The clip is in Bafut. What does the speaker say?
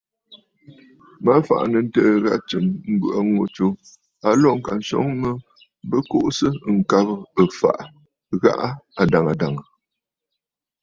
Mə fàʼà nɨ̂ ǹtɨɨ̀ ghâ tsɨm, mbɨ̀ʼɨ̀ ŋù tsù a lǒ ŋka swoŋ mə bɨ kuʼusə ŋkabə̀ ɨfàʼà ghaa adàŋə̀ dàŋə̀.